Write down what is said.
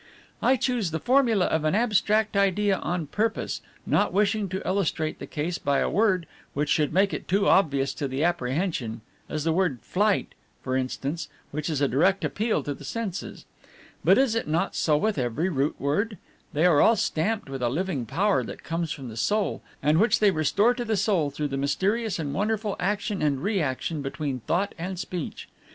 "I chose the formula of an abstract idea on purpose, not wishing to illustrate the case by a word which should make it too obvious to the apprehension, as the word Flight for instance, which is a direct appeal to the senses. "But is it not so with every root word? They are all stamped with a living power that comes from the soul, and which they restore to the soul through the mysterious and wonderful action and reaction between thought and speech.